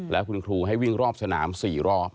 แล้วคุณครูให้วิ่งรอบสนาม๔รอบ